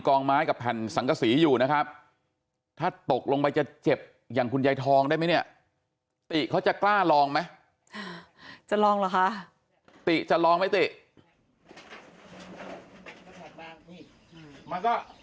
ถึงแม้เราไม่ได้ฝืนตัวมันก็จะไม่มีแผลแต่เขาจะเล็กกว่าพี่เขาลงลงตัวนะ